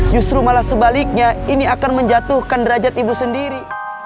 justru malah sebaliknya ini akan menjatuhkan derajat ibu sendiri